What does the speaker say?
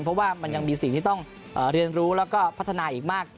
เพราะว่ามันยังมีสิ่งที่ต้องเรียนรู้แล้วก็พัฒนาอีกมาก